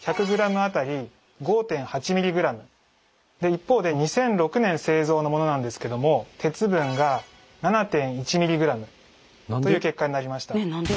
一方で２００６年製造のものなんですけども鉄分が７．１ｍｇという結果になりました。